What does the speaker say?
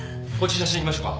写真いきましょうか。